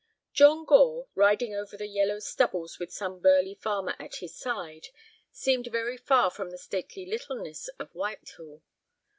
XX John Gore, riding over the yellow stubbles with some burly farmer at his side, seemed very far from the stately littlenesses of Whitehall.